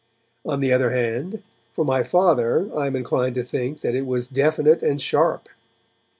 On the other hand, for my Father I am inclined to think that it was definite and sharp.